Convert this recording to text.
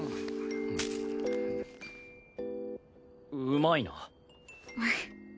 うまいな。